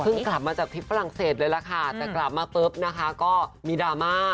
กลับมาจากทริปฝรั่งเศสเลยล่ะค่ะแต่กลับมาปุ๊บนะคะก็มีดราม่า